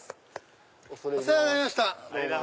お世話になりました！